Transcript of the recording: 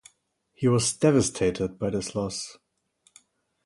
He was devastated by this loss.